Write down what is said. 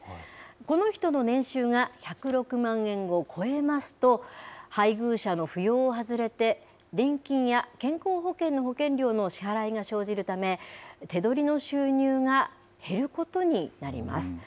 この人の年収が１０６万円を超えますと、配偶者の扶養を外れて、年金や健康保険の保険料の支払いが生じるため、手取りの収入が減ることになります。